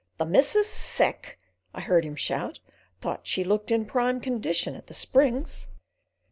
"The missus sick!" I heard him shout. "Thought she looked in prime condition at the Springs."